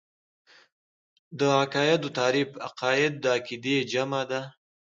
د عقايدو تعريف عقايد د عقيدې جمع ده .